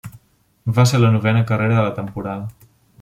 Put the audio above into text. Va ser la novena carrera de la temporada.